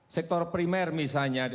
sektor primer misalnya